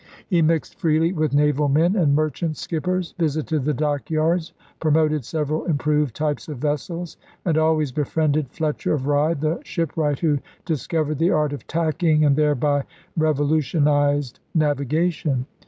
He mixed freely with naval men and mer chant skippers, visited the dockyards, promoted several improved types of vessels, and always befriended Fletcher of Rye, the shipwright who discovered the art of tacking and thereby revolu tionized navigation.